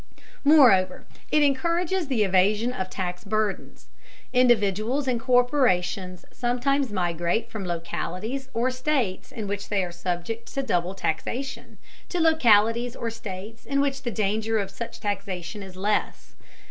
Moreover, it encourages the evasion of tax burdens. Individuals and corporations sometimes migrate from localities or states in which they are subject to double taxation, to localities or states in which the danger of such taxation is less.